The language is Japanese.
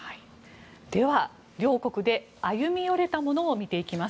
では、両国で歩み寄れたものを見ていきます。